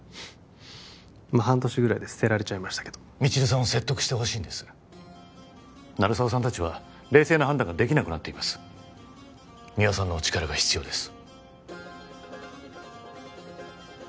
まあ半年ぐらいで捨てられちゃいましたけど未知留さんを説得してほしいんです鳴沢さん達は冷静な判断ができなくなっています三輪さんのお力が必要です